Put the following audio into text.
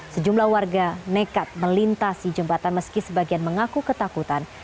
sejumlah warga nekat melintasi jembatan meski sebagian mengaku ketakutan